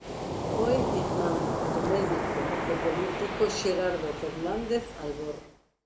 Foi irmán do médico e político Xerardo Fernández Albor.